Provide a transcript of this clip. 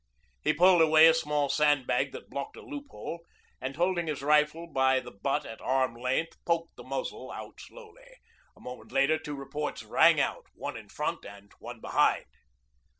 He pulled away a small sandbag that blocked a loophole, and, holding his rifle by the butt at arm length, poked the muzzle out slowly. A moment later two reports rang out one from in front and one behind.